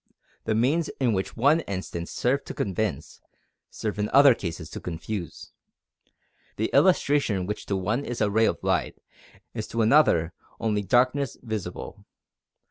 The means which in one instance serve to convince, serve in other cases to confuse. The illustration which to one is a ray of light, is to another only "darkness visible."